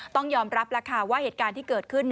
ต้องยอมรับว่าเหตุการณ์ที่เกิดขึ้น